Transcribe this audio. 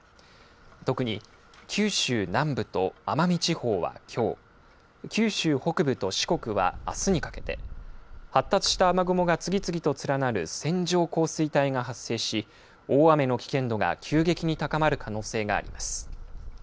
特に九州南部と奄美地方はきょう九州北部と四国はあすにかけて発達した雨雲が次々と連なる線状降水帯が発生し大雨の危険度が急激に高まる可能性があります。